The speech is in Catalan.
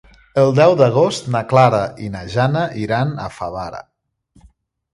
El deu d'agost na Clara i na Jana iran a Favara.